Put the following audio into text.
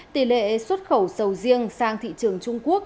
tỷ lệ xuất khẩu sầu riêng sang thị trường trung quốc